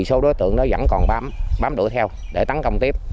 số đối tượng vẫn còn bám đuổi theo để tấn công tiếp